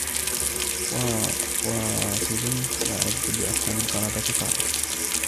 وَاصِلٌ وَعَبْدٌ لِأَرْحَامِ الْقَرَابَةِ قَاطِعُ